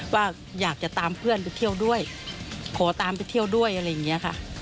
ว่าอยากจะตามเพื่อนไปเที่ยวด้วยขอตามไปเที่ยวด้วยอะไรอย่างนี้ค่ะ